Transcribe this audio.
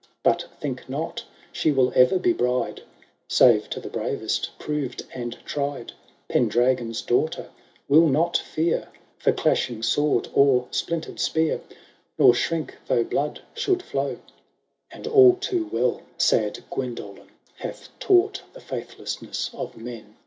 But think not she will e*er be bride Save to the bravest, proved and tried ; Pendragon^s daughter will not fear For clashing sword or splintered spear, Nor shrink though blood should flow *, And all too well sad Guendolen Hath taught the fiuthlessness of men.